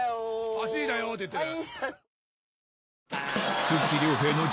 「８時だよ」って言ってる。